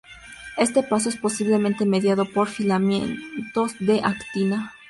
Este paso es posiblemente mediado por filamentos de actina.